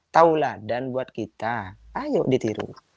tahulah dan buat kita ayo ditiru